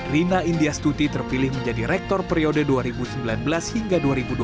rina indiastuti terpilih menjadi rektor periode dua ribu sembilan belas hingga dua ribu dua puluh